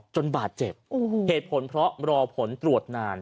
จนบาดเจ็บเหตุผลเพราะรอผลตรวจนาน